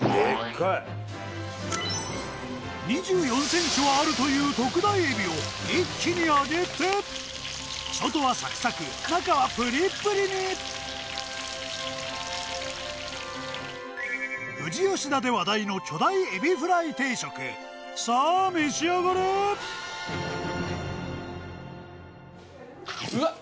２４センチはあるという特大エビを一気に揚げて外はサクサク中はプリップリに富士吉田で話題の巨大エビフライ定食さあ召し上がれうわっ！